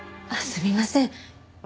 あっすみません。